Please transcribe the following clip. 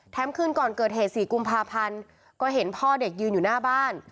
คืนก่อนเกิดเหตุ๔กุมภาพันธ์ก็เห็นพ่อเด็กยืนอยู่หน้าบ้าน